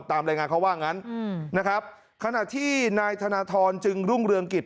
ตามรายงานเขาว่างั้นอืมนะครับขณะที่นายธนทรจึงรุ่งเรืองกิจ